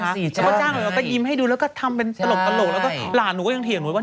พ่อจ้างอ่ะยิ้มให้ดูแล้วทำเป็นตลกแล้วหลานหนูก็เถียงหนูว่า